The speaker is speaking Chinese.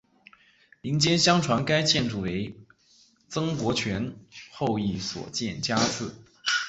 民间相传该建筑为曾国荃后裔所建家祠。